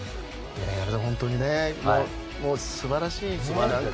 本当に素晴らしいですね。